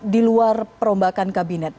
di luar perombakan kabinet